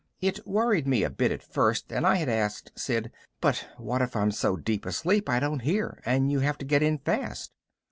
It worried me a bit at first and I had asked Sid, "But what if I'm so deep asleep I don't hear and you have to get in fast?"